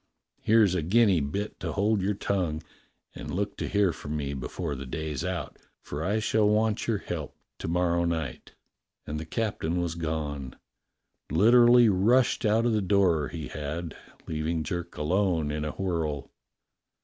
Here's a guinea bit to hold your tongue; and look to hear from me before the day's out, for I shall want your help to morrow night." And the captain was gone. Literally rushed out of the door he had, leaving Jerk alone in a whirl.